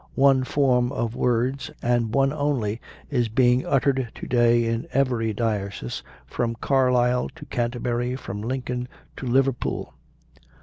One form of words, and one only, is being uttered to day in every diocese from Carlisle to Canterbury, from Lincoln to Liverpool."